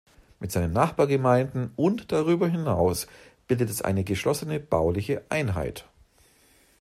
Mit seinen Nachbargemeinden, und darüber hinaus, bildet es eine geschlossene bauliche Einheit.